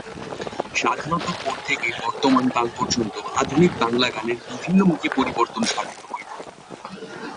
স্বাধীনতার পর থেকে বর্তমান কাল পর্যন্ত আধুনিক বাংলা গানের বিভিন্নমুখী পরিবর্তন সাধিত হয়েছে।